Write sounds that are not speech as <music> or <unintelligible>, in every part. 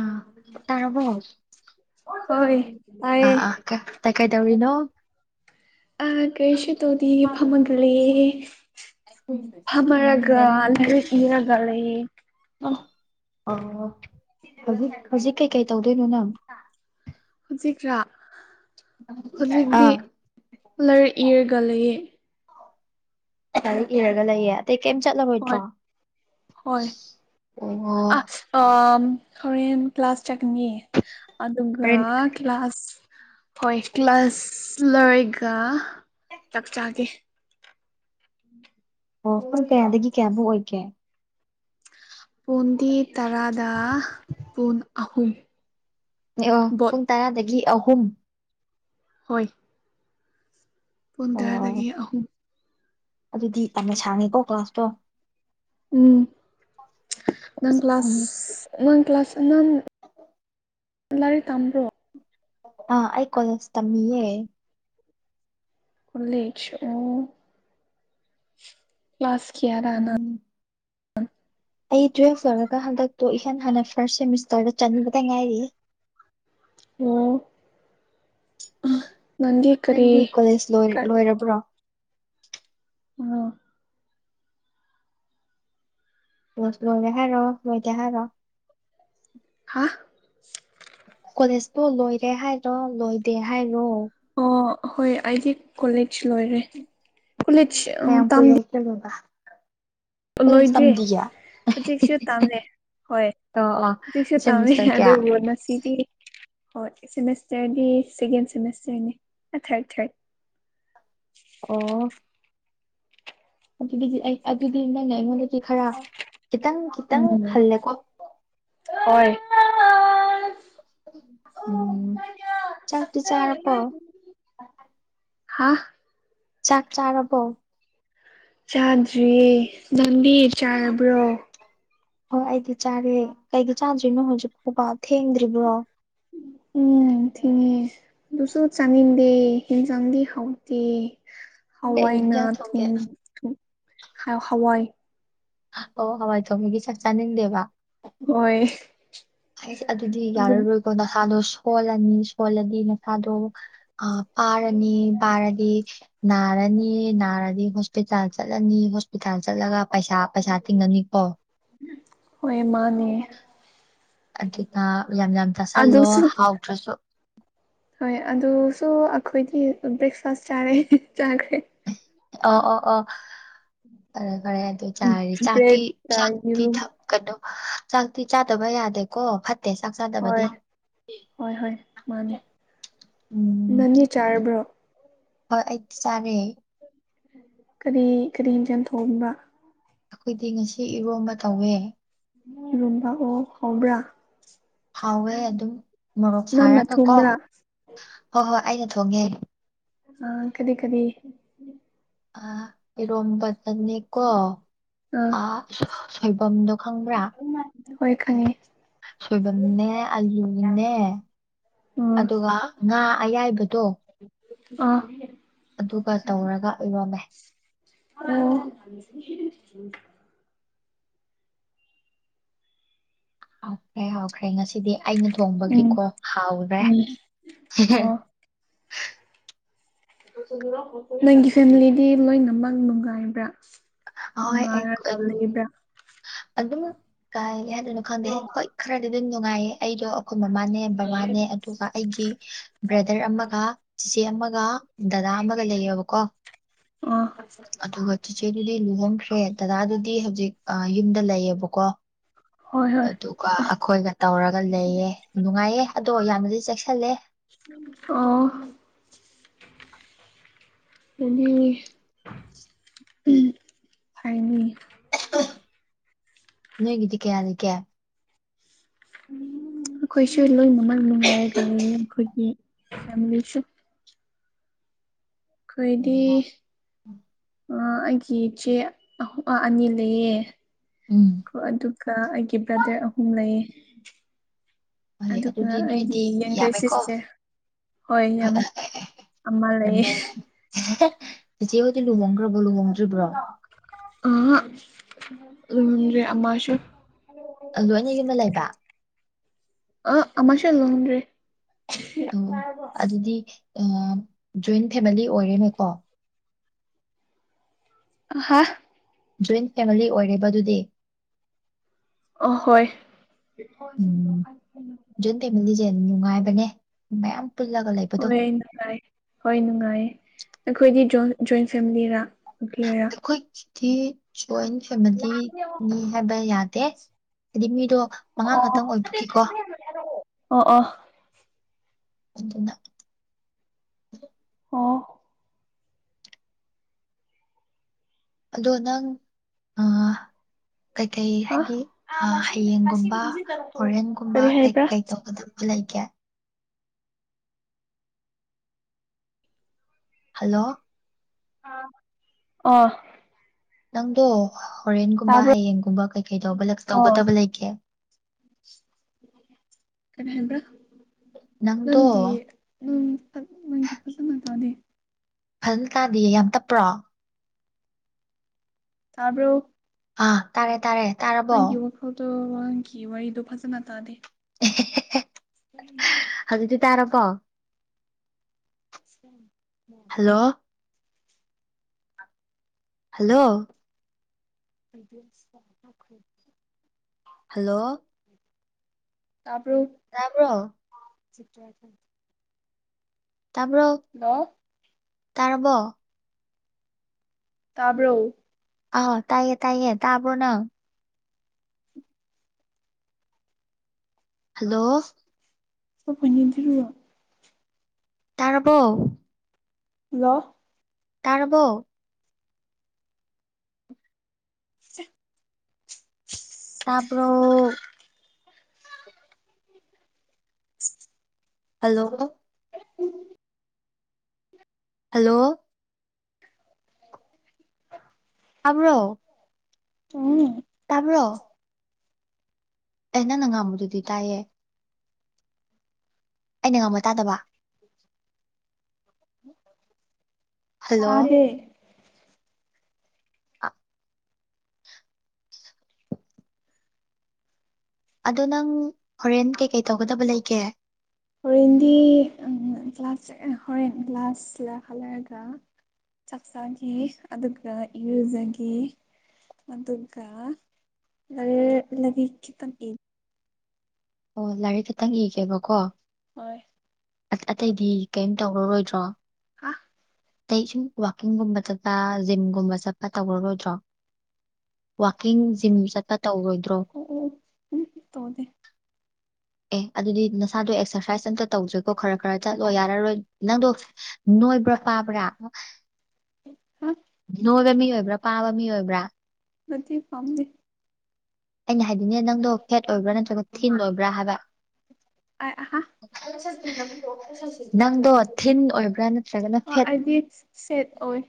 ꯑ ꯇꯥꯔꯔꯕꯣ ꯍꯣꯏ ꯇꯥꯏꯌꯦ ꯑꯥ ꯑꯥ ꯇꯥꯏ ꯀꯥꯏ ꯇꯧꯔꯤꯅꯣ ꯑ ꯀꯩꯁ ꯇꯣꯗꯤ ꯐꯃꯒꯦ ꯐꯃꯔꯒ ꯍꯔꯒ ꯂꯩꯦ ꯍꯧꯖꯤꯛ ꯍꯧꯖꯤꯛ ꯀꯩꯀꯩ ꯇꯧꯗꯣꯏꯅꯣ ꯅꯪ ꯍꯧꯖꯤꯛꯔꯥ ꯍꯧꯖꯤꯛꯇꯤ ꯑꯥ ꯂꯥꯏꯔꯤꯛ ꯏꯔꯒ ꯂꯩꯌꯦ ꯂꯥꯏꯔꯤꯛ ꯏꯔꯒ ꯂꯩꯌꯦ ꯑꯇꯩ ꯀꯩꯝ ꯍꯣꯏ ꯆꯠꯂꯔꯣꯏꯗ꯭ꯔꯣ ꯍꯣꯏ ꯑꯣ ꯑ ꯍꯣꯔꯦꯟ ꯀ꯭ꯂꯥꯁ ꯆꯠꯀꯅꯤ ꯑꯗꯨꯒ ꯍꯣꯔꯦꯟ ꯀ꯭ꯂꯥꯁ ꯍꯣꯏ ꯀ꯭ꯂꯥꯁ ꯂꯣꯏꯔꯒ ꯆꯥꯛꯆꯒꯦ ꯑꯣ ꯄꯨꯡ ꯀꯌꯥꯗꯒꯤ ꯀꯌꯥꯕꯨꯛ ꯑꯣꯏꯒꯦ ꯄꯨꯡꯗꯤ ꯇꯔꯥꯗ ꯄꯟ ꯑꯍꯨꯝ ꯕꯣꯠ ꯄꯨꯡ ꯇꯔꯥꯗꯒꯤ ꯑꯍꯨꯝ ꯍꯣꯏ ꯄꯨꯡ ꯑꯣ ꯇꯔꯥꯗꯒꯤ ꯑꯍꯨꯝ ꯑꯗꯨꯗꯤ ꯌꯥꯝꯅ ꯁꯥꯡꯉꯦꯀꯣ ꯀ꯭ꯂꯥꯁꯇꯣ ꯎꯝ ꯅꯪ ꯎꯝ ꯀ꯭ꯂꯥꯁ ꯅꯪ ꯀ꯭ꯂꯥꯁ ꯅꯪ ꯂꯥꯏꯔꯤꯛ ꯇꯥꯝꯕ꯭ꯔꯣ ꯑ ꯑꯩ ꯀꫭꯂꯦꯁ ꯇꯝꯃꯤꯌꯦ ꯀꫭꯂꯦꯁ ꯑꫭ ꯀ꯭ꯂꯥꯁ ꯀꯌꯥꯔ ꯅꯪ ꯎꯝ ꯑꯩ ꯇꯨꯋꯦꯜꯐ ꯂꯣꯏꯔꯒ ꯍꯟꯗꯛꯇꯣ ꯏꯍꯥꯟ ꯍꯥꯟꯅ ꯐꯥꯔꯁ ꯁꯦꯃꯤꯁꯇꯔꯗ ꯆꯟꯕꯗ ꯉꯥꯏꯔꯤꯌꯦ ꯑꯣ ꯅꯪꯗꯤ ꯀꯔꯤ ꯀꫭꯂꯦꯁ ꯂꫭꯏꯔꯕꫭ ꯀꯔ ꯂꯣꯏꯔꯕ꯭ꯔꯣ ꯑꯣ ꯂꫭꯏꯔꯦ ꯍꯥꯏꯔꫭ ꯂꫭꯏꯗꯦ ꯍꯥꯏꯔꫭ ꯍꯥ ꯀꯣꯂꯦꯖꯇꯣ ꯂꯣꯏꯔꯦ ꯍꯥꯏꯔꯣ ꯂꯣꯏꯗꯦ ꯍꯥꯏꯔꯣ ꯑꯣ ꯍꯣꯏ ꯑꯩꯗꯤ ꯀꯣꯂꯦꯖ ꯂꯣꯏꯔꯦ ꯀꯣꯂꯦꯖ ꯑ ꯀꯌꯥꯝ ꯇꯝꯗꯤ ꯀꯨꯏꯔꯦ <inaudible> ꯕ ꯀꯂꯦꯁ ꯂꯣꯏꯗ꯭ꯔꯤ ꯇꯝꯗꯤꯌꯦ ꯍꯧꯖꯤꯛꯁꯨ ꯇꯝꯂꯦ ꯍꯣꯏ ꯑꯣ ꯑꯣ ꯍꯧꯖꯤꯛꯁꯨ ꯇꯝꯃꯦ ꯁꯦꯃꯤꯁꯇꯔ ꯀꯌꯥ ꯑꯗꯨꯕꯨ ꯉꯁꯤꯗꯤ ꯍꯣꯏ ꯁꯦꯃꯦꯁꯇꯔꯗꯤ ꯁꯦꯀꯦꯟ ꯁꯦꯃꯦꯁꯇꯔꯅꯦ ꯑ ꯊꯥꯔꯠ ꯊꯥꯔꯠ ꯑꯣ ꯑꯗꯨꯒꯤꯗꯤ ꯑꯩ ꯑꯗꯨꯗꯤ ꯅꯪꯅ ꯑꯩꯉꯣꯟꯗꯒꯤ ꯈꯔ ꯈꯤꯇꯪ ꯈꯤꯇꯪ ꯍꯜꯂꯦꯀꯣ ꯑꯣꯏ ꯎꯝ ꯆꯥꯛꯇꯤ ꯆꯥꯔꯕꫭ ꯍꯥ ꯆꯥꯛ ꯆꯥꯔꯕꯣ ꯆꯥꯗ꯭ꯔꯤꯌꯦ ꯅꯪꯗꯤ ꯆꯥꯔꯕ꯭ꯔꯣ ꯍꯣꯏ ꯑꯩꯗꯤ ꯆꯥꯔꯦ ꯀꯩꯒꯤ ꯆꯥꯗꯔꯤꯅꯣ ꯍꯧꯖꯤꯛ ꯐꯥꯎꯕ ꯊꯦꯡꯗ꯭ꯔꯤꯕ꯭ꯔꯣ ꯎꯨꯝ ꯊꯦꯡꯉꯦ ꯑꯗꯨꯁꯨ ꯆꯥꯅꯤꯡꯗꯦ ꯍꯤꯟꯖꯥꯡꯗꯤ ꯍꯥꯎꯇꯦ ꯀꯩ ꯏꯟꯖꯥꯡ ꯍꯋꯥꯏꯅ ꯊꯣꯡꯒꯦ ꯊꫭꯡ ꯊꫭꯡ ꯍꯋꯥꯏ ꯑꯣ ꯍꯋꯥꯏ ꯊꯣꯡꯕꯒꯤ ꯆꯥꯛ ꯆꯥꯅꯤꯡꯗꯦꯕ ꯍꯣꯏ ꯑꯩꯁ ꯑꯗꯨꯗꯤ ꯑꯗꯨꯝ ꯌꯥꯔꯔꯣꯏꯀꯣ ꯅꯁꯥꯗꯣ ꯁꯣꯜꯂꯅꯤ ꯁꯣꯜꯂꯗꯤ ꯅꯁꯥꯗꯣ ꯑ ꯄꯥꯔꯅꯤ ꯄꯥꯔꯗꯤ ꯅꯥꯔꯅꯤ ꯅꯥꯔꯗꯤ ꯍꫭꯁ ꯍꯣꯁꯄꯤꯇꯥꯜ ꯆꯠꯂꯅꯤ ꯍꯣꯁꯄꯤꯇꯥꯜ ꯆꯠꯂꯒ ꯄꯩꯁꯥ ꯄꯩꯁꯥ ꯇꯤꯡꯉꯅꯤꯀꯣ ꯍꯣꯏ ꯃꯥꯅꯦ ꯑꯗꯨꯅ ꯌꯥꯝ ꯌꯥꯝ ꯆꯥꯁꯜꯂꯣ ꯑꯗꯨꯁꯨ ꯍꯥꯎꯗ꯭ꯔꯁꯨ ꯍꯣꯏ ꯑꯗꯨꯁꯨ ꯑꯩꯈꯣꯏꯗꯤ ꯕ꯭ꯔꯦꯛꯐꯥꯁ ꯆꯥꯔꯦ ꯆꯥꯈ꯭ꯔꯦ ꯑ ꯑꯣ ꯑꯣ ꯐꯔꯦ ꯐꯔꯦ ꯑꯗꯨ ꯆꯥꯔꯗꯤ ꯆꯥꯛꯇꯤ ꯕ꯭ꯔꯦꯗꯀ ꯆꯥꯛꯇꯤ ꯌꯦꯔꯨꯝ ꯊꯛ ꯀꯩꯅꯣ ꯆꯥꯛꯇꯤ ꯆꯥꯗꯕ ꯌꯥꯗꯦꯀꯣ ꯐꯥꯠ ꯍꯣꯏ ꯍꯣꯏ ꯍꯣꯏ ꯃꯥꯅꯦ ꯎꯝ ꯅꯪꯗꯤ ꯆꯥꯔꯕ꯭ꯔꯣ ꯍꯣꯏ ꯑꯩꯁꯥꯔꯦ ꯀꯔꯤ ꯀꯔꯤ ꯌꯦꯟꯖꯥꯡ ꯊꯣꯡꯕ ꯑꯩꯈꯣꯏꯗꯤ ꯉꯁꯤ ꯏꯔꯣꯝꯕ ꯇꯧꯋꯦ ꯔꯝꯕꯥ ꯑꯣ ꯍꯕ꯭ꯔꯥ ꯍꯥꯎꯋꯦ ꯑꯗꯨꯝ ꯃꯣꯔꯣꯛ ꯅꯪꯅ ꯁꯥꯔꯒ ꯀꯣ ꯊꯣꯡꯕ꯭ꯔꯥ ꯍꯣꯏ ꯍꯣꯏ ꯑꯩꯅ ꯊꯣꯡꯉꯦ ꯑ ꯀꯔꯤ ꯀꯔꯤ ꯑꯔꯣꯝꯕ ꯆꯅꯤꯅꯤꯀꯣ ꯑꯥ ꯑ ꯁꯣꯏꯕꯝꯗꯣ ꯈꯪꯕ꯭ꯔꯥ ꯍꯣꯏ ꯈꯪꯉꯤ ꯁꯣꯏꯕꯝꯅꯦ ꯑꯂꯨꯅꯦ ꯑꯗꯨꯒ ꯉꯥ ꯑꯌꯥꯏꯕꯗꯣ ꯑ ꯑꯗꯨꯒ ꯇꯧꯔꯒ ꯏꯔꯣꯝꯃꯦ ꯑꯣ ꯍꯥꯎꯈ꯭ꯔꯦ ꯍꯥꯎꯈ꯭ꯔꯦ ꯉꯁꯤꯗꯤ ꯑꯩꯅ ꯊꯣꯡꯕꯒꯤꯀꯣ ꯍꯥꯎꯔꯦ ꯎꯝ ꯑꯣ ꯅꯪꯒꯤ ꯐꯦꯃꯤꯂꯤꯗꯤ ꯂꯣꯏꯅꯃꯛ ꯅꯨꯡꯉꯥꯏꯕ꯭ꯔꯥ ꯍꯣꯏ ꯑꯩ ꯅꯨꯡꯪꯥꯏ ꯎꯝ ꯌꯥꯕ ꯑꯗꯨꯝ ꯀꯥꯏ ꯍꯥꯏꯗꯣꯏꯅꯣ ꯈꯪꯗꯦ ꯍꯣꯏ ꯈꯔꯗꯤ ꯑꯗꯨꯝ ꯅꯨꯡꯉꯥꯏꯌꯦ ꯑꯩꯗꯣ ꯑꯩꯈꯣꯏ ꯃꯃꯥꯅꯦ ꯕꯕꯥꯅꯦ ꯑꯗꯨꯒ ꯑꯩꯒꯤ ꯕ꯭ꯔꯗꯔ ꯑꯃꯒ ꯆꯤꯆꯦ ꯑꯃꯒ ꯗꯗꯥ ꯑꯃꯒ ꯂꯩꯌꯦꯕꯀꯣ ꯑ ꯑꯗꯨꯒ ꯆꯦꯆꯦꯗꯨꯗꯤ ꯂꯨꯍꯣꯡꯈ꯭ꯔꯦ ꯗꯗꯥꯗꯨꯗꯤ ꯍꯧꯖꯤꯛ ꯌꯨꯝꯗ ꯂꯩꯌꯦꯕꯀꯣ ꯍꯣꯏ ꯑ ꯍꯣꯏ ꯑꯗꯨꯣ ꯀ ꯑꯩꯈꯣꯏꯒ ꯇꯧꯔꯒ ꯂꯩꯌꯦ ꯅꯨꯡꯉꯥꯏꯌꯦ ꯑꯗꯣ ꯌꯥꯝꯅꯗꯤ ꯆꯦꯛꯁꯜꯂꯦ ꯑꯣ ꯑꯅꯤ ꯍꯥꯏꯥꯏꯅꯤ ꯅꯣꯏꯒꯤꯗꯤ ꯀꯌꯥ ꯂꯩꯀꯦ ꯑꯩꯈꯣꯏꯁꯨ ꯂꯣꯏꯅꯃꯛ ꯅꯨꯡꯉꯥꯏꯔꯒ ꯂꯩ ꯑꯩꯈꯣꯏꯒꯤ ꯐꯦꯂꯤꯁꯨ ꯑꯩꯈꯣꯏꯗꯤ ꯎꯝ ꯑꯩꯒꯤ ꯏꯆꯦ ꯑꯅꯤ ꯂꯩꯌꯦ ꯎꯝ ꯀꯣ ꯑꯗꯨꯒ ꯑꯩꯒꯤ ꯕ꯭ꯔꯗꯔ ꯑꯍꯨꯝ ꯂꯩꯌꯦ ꯍꯣꯏ ꯑꯗꯨꯒ ꯑꯗꯨꯗꯤ ꯑꯩꯒꯤ ꯅꯣꯏꯗꯤ ꯌꯪꯒ꯭ꯔ ꯌꯥꯝꯃꯦꯀꯣ ꯁꯤꯁꯇꯔ ꯍꯣꯏ ꯌꯥꯝꯃꯦ ꯑꯃ ꯂꯩꯌꯦ ꯁꯤ ꯍꯧꯗꯤ ꯂꯨꯍꯪꯒ꯭ꯔꯕꯣ ꯂꯨꯕꯪꯗ꯭ꯔꯔꯤꯕ꯭ꯔ ꯑ ꯎꯝꯦ ꯑꯃꯥꯁꯨꯣ ꯂꯣꯏꯅ ꯌꯨꯝꯗ ꯂꯩꯕ ꯑ ꯑꯃꯃꯥꯁ ꯂꯣꯅꯔꯤ ꯑꯣ ꯑꯗꯨꯗꯤ ꯖꯣꯏꯟ ꯐꯦꯃꯤꯂꯤ ꯑꯣꯏꯔꯦꯅꯦꯀꯣ ꯍꯥꯥ ꯖꯣꯏꯟ ꯐꯦꯃꯤꯂꯤ ꯑꯣꯏꯔꯤꯕ ꯑꯗꯨꯗꯤ ꯑ ꯍꯣꯏ ꯎꯝ ꯖꯣꯏꯟ ꯐꯦꯃꯤꯂꯤꯁꯦ ꯑꯗꯨ ꯅꯨꯡꯉꯥꯏꯕꯅꯦ ꯃꯌꯥꯝ ꯄꯨꯜꯂꯒ ꯂꯩ ꯍꯣꯏ ꯅꯨꯡꯉꯥꯏ ꯍꯣꯏ ꯅꯨꯡꯉꯥꯏ ꯑꯩꯈꯣꯏꯗꯤ ꯖꯣꯏꯟ ꯐꯦꯃꯤꯂꯤꯔꯥꯔ ꯑꯩꯈꯣꯏꯒꯤꯗꯤ ꯖꯣꯏꯟ ꯐꯦꯃꯤꯂꯤꯅꯤ ꯍꯥꯏꯕ ꯌꯥꯗꯦ ꯍꯥꯏꯗꯤ ꯃꯤꯗꯣ ꯃꯉꯥ ꯑꯣ ꯈꯛꯇꯪ ꯑꯣꯏꯕꯈꯤꯀꯣ ꯑꯣ ꯑꯣ ꯊ ꯑꯣ ꯑꯗꯣ ꯅꯪ ꯑ ꯀꯩꯀꯩ ꯍꯥ ꯍꯥꯏꯗꯤ ꯍꯌꯦꯡꯒꯨꯝꯕ ꯑꯣꯣꯔꯦꯟꯒꯨꯝꯕ ꯀꯔꯤ ꯀꯩ ꯍꯥꯏꯕ꯭ꯔꯥ ꯀꯩ ꯗꯄ ꯂ ꯂꯩ ꯀꯌꯥ ꯍꯜꯂꯣ ꯑꯣ ꯅꯪꯗꯣ ꯍꯣꯔꯦꯟꯒꯨꯝꯕ ꯇꯥꯕ꯭ꯔꯣ ꯍꯌꯦꯡꯒꯨꯝꯕ ꯀꯩꯀꯩꯗ <inaudible> <inaudible> ꯑꯣ ꯇꯧꯒꯗꯕ ꯂꯩꯒꯦ ꯀꯔꯤ ꯍꯥꯏꯕ꯭ꯔꯥ ꯅꯪꯗꯣ ꯅꯪꯒꯤ ꯝ ꯅꯪꯒꯤ ꯐꯖꯅ ꯇꯥꯗꯦ ꯐꯖꯅ ꯇꯥꯟꯗꯤꯌꯦ ꯌꯥꯝ ꯇꯞꯄ꯭ꯔꯣ ꯇꯥꯔꯕ ꯑꯥ ꯇꯥꯔꯦ ꯇꯥꯔꯦ ꯇꯥꯔꯕꯣ ꯅꯪꯒꯤ ꯋꯥꯈꯜꯗꯣ ꯋꯥꯒꯤ ꯋꯥꯔꯤꯗꯣ ꯐꯖꯅ ꯇꯥꯗꯦ ꯑꯍꯦꯍꯦ ꯎꯝꯝ ꯍꯗꯨꯤꯗꯤꯤ ꯇꯥꯔ ꯀꯣ ꯎꯝ ꯍꯜꯂꯣ ꯍꯜꯂꯣ ꯑꯗꯨ ꯍꯜꯂꯣ ꯇꯥꯕ꯭ꯔꯣ ꯇꯥꯕ꯭ꯔꯣ ꯁꯤꯇ ꯇꯄ ꯍꯜꯂꯣ ꯇꯥꯔꯕꯣ ꯇꯥꯕ꯭ꯔꯣ ꯑ ꯇꯥꯏꯌꯦ ꯇꯥꯏꯌꯦ ꯇꯥꯕꯣꯅ ꯍꯜꯂꯣ ꯁꯣꯣꯏꯅꯤꯗꯤꯔꯨꯑꯣꯣ ꯇꯥꯔꯔꯕꯣ ꯍꯜꯂꯣ ꯇꯥꯔꯔꯕꯣ ꯆ ꯇꯄꯣ ꯍꯜꯂꯣ ꯍꯜꯂꯣ ꯇꯥꯕ꯭ꯔꯣ ꯎꯝ ꯇꯥꯕ꯭ꯔꯣ ꯑꯩꯅꯪ ꯅꯪ ꯉꯥꯡꯝꯕꯗꯨꯗꯤ ꯇꯥꯏꯌꯦ ꯑꯩꯅ ꯉꯝꯕ ꯇꯥꯗꯕ ꯍꯜꯂꯣ ꯑꯗꯦ ꯑꯗꯣ ꯅꯪ ꯍꯣꯔꯦꯟ ꯀꯩꯀꯩ ꯇꯧꯒꯗꯕ ꯂꯩꯒꯦ ꯍꯔꯤꯡꯗꯤ ꯎ ꯭ꯂꯥꯁ ꯍ ꯭ꯂꯥꯁ ꯂꯩ ꯍꯂꯔꯒ ꯆꯥꯛꯆꯥꯒꯤ ꯑꯗꯨꯒ ꯏꯔꯨꯖꯒ ꯃꯗꯨꯒ ꯂ ꯂ ꯂꯤꯈ ꯇꯝ ꯑꯣ ꯂꯥꯏꯔꯤꯛ ꯈꯛꯇꯪ ꯏꯒꯦꯕꯀꯣ ꯍꯣꯏ ꯑꯇꯩꯗꯤ ꯀꯔꯤꯝ ꯇꯧꯔꯔꯣꯏꯗ꯭ꯔꯣ ꯍꯥ ꯑꯇꯩ ꯁꯨꯝ ꯋꯥꯋꯥꯛꯀꯤꯡꯒꯨꯝꯕ ꯆꯠꯄ ꯖꯤꯝꯒꯨꯝꯕ ꯆꯠꯄ ꯇꯧꯔꯔꯣꯏꯗ꯭ꯔꯣ ꯋꯥꯛꯀꯤꯡ ꯖꯤꯝ ꯆꯠꯄ ꯇꯧꯔꯣꯏꯗ꯭ꯔꯣ ꯑꯣ ꯑꯣ ꯎ ꯇꯗ ꯑꯦ ꯑꯗꯨꯗꯤ ꯅꯁꯥꯗꯣ ꯑꯦꯛꯁꯔꯁꯥꯏꯁ ꯑꯝꯇ ꯇꯧꯖꯦꯀꯣ ꯈꯔ ꯈꯔ ꯆꯠꯂꯣ ꯌꯥꯔꯔꯣꯏ ꯅꯪꯗꯣ ꯅꯣꯏꯕ꯭ꯔ ꯄꯥꯕ꯭ꯔꯥ ꯍꯥ ꯅꯣꯏꯕ ꯃꯤ ꯑꯣꯏꯕ꯭ꯔꯥ ꯄꯥꯕ ꯃꯤ ꯑꯣꯏꯕ꯭ꯔꯥ ꯃꯇ ꯄꯥꯝꯗꯦ ꯑꯩꯅ ꯍꯥꯏꯗꯤꯅꯦ ꯅꯪꯗꯣ ꯐꯦꯠ ꯑꯣꯏꯕ꯭ꯔꯥ ꯅꯠꯇ꯭ꯔꯒ ꯊꯤꯟ ꯑꯣꯏꯕ꯭ꯔꯥ ꯍꯥꯏꯕ ꯑ ꯑꯍꯥ ꯅꯪꯗꯣ ꯊꯤꯟ ꯑꯣꯏꯕ꯭ꯔꯥ ꯅꯠꯇ꯭ꯔꯒꯅ ꯐꯦꯠ ꯑ ꯁꯦꯠ ꯑꯣꯏ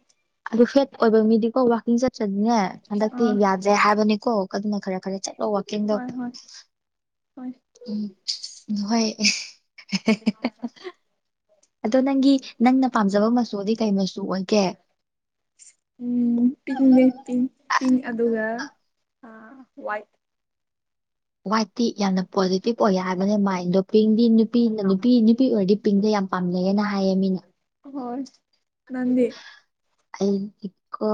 ꯑꯗꯨ ꯐꯦꯠ ꯑꯣꯏꯕ ꯃꯤꯗꯤꯀꯣ ꯋꯥꯛꯀꯤꯡ ꯆꯠ꯭ꯔꯗꯤꯅꯦ ꯑꯥ ꯍꯟꯗꯛꯇꯤꯗ ꯦ ꯍꯥꯏꯕꯅꯤꯀꯣ ꯑꯗꯨꯅ ꯈꯔ ꯈꯔ ꯆꯠꯂꯣ ꯋꯥꯋꯀꯤꯡꯗꯣ ꯍꯣꯏ ꯍꯣꯏ ꯍꯣꯏ ꯎꯝ ꯍꯣꯏ ꯑꯗꯣ ꯅꯪꯒꯤ ꯅꯪꯅ ꯄꯥꯝꯖꯕ ꯃꯆꯨꯗꯤ ꯀꯩ ꯃꯆꯨ ꯑꯣꯏꯒꯦ ꯎꯝ ꯄꯤꯡꯅꯦ ꯄꯤꯡ ꯄꯤꯡ ꯑꯗꯨꯒ ꯑ ꯋꯥꯏ ꯋꯥꯏꯠꯇꯤ ꯌꯥꯝꯅ ꯄꯣꯖꯤꯇꯤꯕ ꯑꯣꯏ ꯍꯥꯏꯕꯅꯦ ꯃꯥꯏꯟꯗꯣ ꯄꯤꯡꯗꯤ ꯅꯨꯄꯤꯅ ꯅꯨꯄꯤ ꯅꯨꯄꯤ ꯑꯣꯏꯔꯗꯤ ꯀ ꯄꯤꯡꯗ ꯌꯥꯝ ꯄꯥꯝꯅꯩꯦꯅ ꯍꯥꯏꯌꯦ ꯃꯤꯅ ꯍꯣꯏ ꯅꯗꯤ ꯑꯩ ꯏꯀꯣ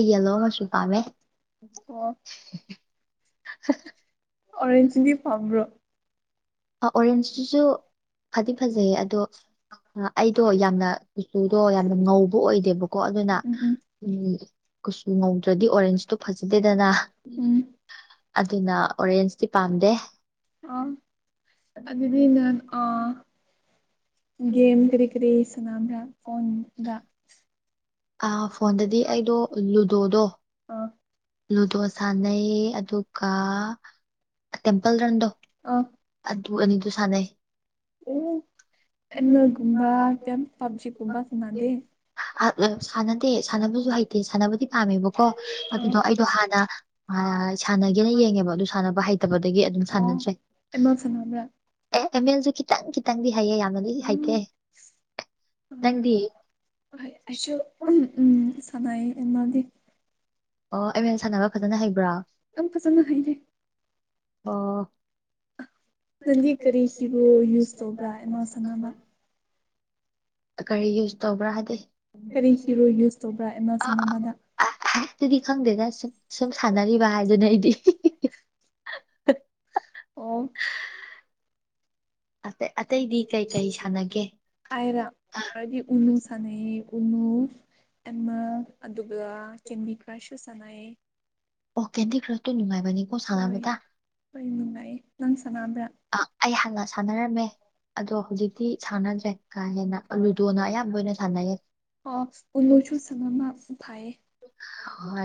ꯑꯣ ꯑꯣꯔꯦꯟꯖꯗꯤ ꯐꯥꯝꯕ꯭ꯔꯣ ꯑꯣꯔꯦꯟꯖꯇꯁꯨ ꯐꯗꯤ ꯐꯖꯩ ꯑꯗꯣ ꯑꯩꯗꯣ ꯌꯥꯝꯅ ꯀꯨꯆꯨꯗꯣ ꯌꯥꯝꯅ ꯉꯧꯕ ꯑꯣꯏꯗꯦꯕꯣ ꯀꯣ ꯑꯗꯨꯅ ꯎꯝ ꯎꯝ ꯎ ꯀꯨꯆꯁꯨ ꯉꯧꯗ꯭ꯔꯗꯤ ꯑꯣꯔꯦꯟꯖꯇꯣ ꯐꯖꯗꯦꯗꯅ ꯎꯝ ꯑꯗꯨꯅ ꯑꯣꯔꯦꯟꯁꯇꯤ ꯄꯥꯝꯗꯦ ꯑꯥ ꯑꯗꯨꯗꯤ ꯅ ꯑ ꯦꯃ ꯀꯔꯤ ꯀꯔꯤ ꯁꯅꯥꯗ ꯐꯣꯟꯣꯟꯗ ꯑꯐ ꯐꯣꯟꯗꯗꯤ ꯑꯩꯗꯣ ꯂꯨꯗꯣꯗꯣ ꯑꯥ ꯂꯨꯗꯣ ꯁꯥꯟꯅꯩꯌꯦ ꯑꯗꯨ ꯀ ꯇꯦꯝꯄꯜ ꯔꯟꯗꯣ ꯑꯥ ꯑꯗꯨ ꯑꯅꯤꯗꯨ ꯁꯥꯟꯅꯩ ꯑꯣ ꯑꯦꯒꯨꯝꯕ ꯄꯞꯖꯤꯒꯨꯝꯕ ꯁꯅꯥꯗꯦ ꯁꯥꯟꯅꯗꯦ ꯁꯥꯟꯅꯕꯁꯨ ꯍꯩꯇꯦ ꯁꯥꯟꯅꯕꯗꯤ ꯄꯥꯝꯃꯦꯕꯀꯣ ꯑꯥ ꯑꯗꯨꯗꯣ ꯑꯩꯗꯣ ꯍꯥꯟꯅ ꯁꯥꯟꯅꯒꯦꯅ ꯌꯦꯡꯉꯦꯕ ꯑꯗꯨ ꯁꯥꯟꯅꯕ ꯍꯩꯇꯕꯗꯒꯤ ꯑꯗꯨꯝ ꯑꯣ ꯁꯥꯟꯅꯗ꯭ꯔꯦ ꯑꯦꯝꯃꯦꯜ ꯁꯥꯟꯅꯕ꯭ꯔꯥ ꯑꯦ ꯑꯦꯝ ꯑꯦꯜꯁꯨ ꯈꯤꯇꯪ ꯈꯤꯇꯪꯗꯤ ꯍꯩꯌꯦꯦ ꯌꯥꯝꯅꯗꯤ ꯍꯩꯇꯦ ꯎꯝ ꯅꯪꯗꯤ ꯍꯣꯏ ꯑꯩꯁꯨꯝ ꯎꯝ ꯁꯉꯦ ꯃꯥ ꯃꯥꯒꯤ ꯑꯣ ꯑꯩ ꯃꯦꯝ ꯁꯥꯟꯅꯕ ꯐꯖꯅ ꯍꯩꯕ꯭ꯔꯥ ꯌꯥꯝ ꯐꯖꯅ ꯍꯩꯔꯩ ꯑꯣ ꯅꯪꯒꯤ ꯀꯔꯤ ꯀꯕꯨ ꯌꯨꯁ ꯇꯧꯕ꯭ꯔꯥ ꯑꯦꯃꯣ ꯁꯟ ꯑꯃ ꯀꯔꯤ ꯌꯨꯁ ꯇꯧꯕ꯭ꯔꯥ ꯍꯥꯏꯗꯤ ꯀꯔꯤ ꯍꯤꯔꯣ ꯌꯨꯁ ꯇꯧꯕ꯭ꯔꯥ ꯑ, ꯑꯦꯃꯥꯖꯣꯟ ꯑꯃ ꯑ, ꯑꯃꯗ ꯑ ꯑꯗꯨꯗꯤ ꯈꯪꯗꯦꯗ ꯁꯨꯝ ꯁꯨꯝ ꯁꯥꯟꯅꯔꯤꯕ ꯍꯥꯏꯗꯨꯅ ꯑꯩꯗꯤ ꯑꯣ ꯑ ꯑꯇꯩꯗꯤ ꯀꯩ ꯀꯔꯤ ꯁꯥꯟꯅꯒꯦ ꯑꯥꯏꯔ ꯍꯥꯏꯗꯤ ꯎꯅꯨ ꯁꯅ ꯎꯅꯨ ꯑꯗꯨꯒ ꯆꯦꯟꯃꯤ ꯈꯔꯁꯨ ꯁꯥꯟꯅꯩ ꯑꯣ ꯀꯦꯟꯗꯤ ꯀ꯭ꯔꯁꯇꯣ ꯅꯨꯡꯉꯥꯏꯕꯅꯤꯀꯣ ꯍꯣꯏ ꯁꯥꯟꯅꯕꯗ ꯍꯣꯏ ꯅꯨꯡꯉꯥꯏꯌꯦ ꯅꯪ ꯁꯥꯟꯅꯥꯅꯕ꯭ꯔꯥ ꯑ ꯑꯩ ꯍꯥꯟꯅ ꯁꯥꯟꯅꯔꯝꯃꯦ ꯑꯗꯣ ꯍꯧꯖꯤꯛꯇꯤ ꯁꯥꯟꯅꯗ꯭ꯔꯦ ꯀꯥ ꯍꯦꯟꯅ ꯂꯨꯗꯣꯅ ꯑꯌꯥꯝꯕ ꯑꯣꯏꯅ ꯁꯥꯟꯅꯩꯌꯦ ꯑ ꯎꯂꯣꯁꯨ ꯁꯝ ꯑꯃ ꯐꯥꯏꯌꯦ ꯍ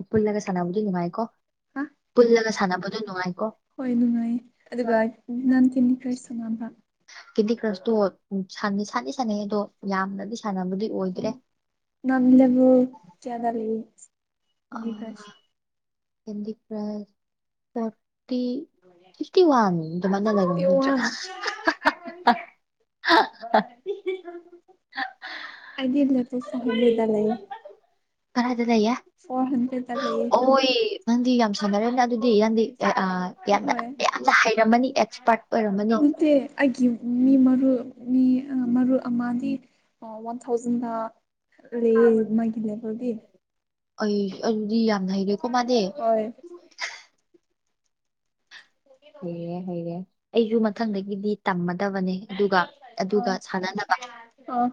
ꯎꯄꯨꯜ ꯂꯒꯦ ꯆꯥꯟꯕꯨ ꯅꯉꯥꯏꯀꯣ ꯍꯥ ꯄꯨꯜꯂꯒ ꯁꯥꯟꯅꯕꯗꯣ ꯅꯨꯡꯉꯥꯏꯀꯣ ꯍꯣꯏ ꯅꯨꯡꯉꯥꯏ ꯑꯗꯨꯒ ꯅꯥꯥꯟꯊꯤꯟ ꯈ꯭ꯔꯥꯏ ꯁꯣꯉꯥꯟꯕ ꯀꯦꯗꯤ ꯀ꯭ꯔꯁꯇꯣ ꯁꯥꯟꯅꯩ ꯁꯥꯟꯅꯩ ꯑꯗꯣ ꯌꯥꯝꯅꯗꯤ ꯁꯥꯟꯅꯕꯗꯤ ꯎ ꯑꯣꯏꯗ꯭ꯔꯦ ꯅꯥꯟꯂꯦꯕꯨ ꯀꯌꯥꯗꯂꯤ ꯏꯚꯥꯁ ꯍ ꯄ꯭ꯔ ꯊꯔꯇꯤ ꯐꯤꯇꯤ ꯋꯥꯟ ꯏ ꯃꯅ ꯂꯩꯒ꯭ꯔ ꯐꯤꯐꯇꯤ <unintelligible> ꯋꯥꯟ ꯑꯗꯨꯂ ꯄꯣꯁ ꯍꯗ ꯂꯩꯦ ꯈꯔ ꯑꯗꯨ ꯇꯌꯦ ꯐꯣꯔ ꯍꯟꯗ꯭ꯔꯦꯠ ꯂ ꯂꯩꯌꯦ ꯅꯪꯗꯤ ꯌꯥꯝ ꯁꯥꯟꯅꯔꯦꯅꯦ ꯑꯗꯨꯗꯤ ꯌꯥꯝꯗꯤ ꯌꯥꯝꯗꯅ ꯍꯣꯏ ꯌꯥꯝꯅ ꯍꯩꯔꯝꯃꯅꯤ ꯑꯦꯛꯁꯄꯥꯔꯠ ꯑꯣꯏꯔꯝꯃꯅꯤ ꯅꯠꯇꯦ ꯑꯩꯒꯤ ꯃꯤ ꯃꯔꯨ ꯃꯤ ꯃꯔꯨ ꯑꯃꯗꯤ ꯋꯥꯟ ꯊꯥꯎꯖꯟꯗ ꯑꯦ ꯃꯒ ꯂꯩꯦꯕꯒꯗꯤ ꯑꯩ ꯑꯗꯨꯗꯤ ꯌꯥꯝꯅ ꯍꯩꯔꯦꯀꯣ ꯃꯥꯅꯦ ꯍ ꯍꯩꯔꯦ ꯍꯩꯔꯦ ꯑꯩꯁꯨ ꯃꯊꯪꯗꯒꯤꯗꯤ ꯇꯝꯃꯗꯕꯅꯦ ꯑꯗꯨꯒ ꯑ ꯑꯗꯨꯒ ꯁꯥꯟꯅꯅꯕ ꯑꯥ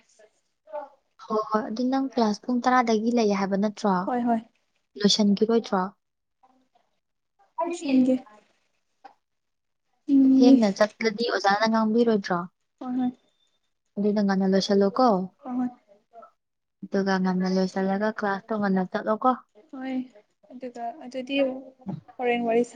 <unintelligible> ꯍꯣꯏ ꯍꯣꯏ ꯑꯗꯨ ꯅꯪ ꯀ꯭ꯂꯥꯁ ꯄꯨꯡ ꯇꯔꯥꯗꯒꯤ ꯂꯩ ꯍꯥꯏꯕ ꯅꯠꯇ꯭ꯔꯣ ꯍꯣꯏ ꯍꯣꯏ ꯂꯣꯏꯁꯤꯟꯈꯤꯔꯣꯏꯗ꯭ꯔꯣ ꯁꯤꯟꯒꯦ ꯎꯝ ꯍꯦꯡꯅ ꯍꯣꯏ ꯆꯠꯂꯗꯤ ꯑꯣꯖꯥꯅ ꯉꯥꯡꯕꯤꯔꯣꯏꯗ꯭ꯔꯣ ꯍꯣꯏ ꯑꯗꯨꯗꯪ ꯉꯅ ꯂꯣꯏꯁꯤ ꯍꯜꯂꯣ ꯀꯣ ꯍꯣꯏ ꯑꯗꯨꯒ ꯉꯟꯅ ꯂꯣꯏꯁꯤꯜꯂꯒ ꯀ꯭ꯂꯥꯁ ꯇꯣꯡꯉꯟꯅ ꯆꯠꯂꯣ ꯀꯣ ꯍꯣꯏ ꯑꯗꯨꯒ ꯑꯗꯨꯗꯤ ꯍꯣꯔꯦꯟ ꯋꯥꯔꯤ ꯁꯥ